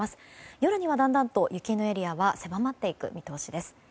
夜にはだんだんと雪のエリアは狭まっていく見通しです。